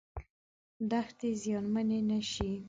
دښتې زیانمنې نشي.